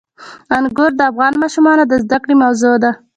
انګور د افغان ماشومانو د زده کړې موضوع ده.